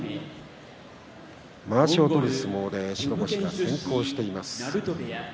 まわしを取る相撲で白星先行しています。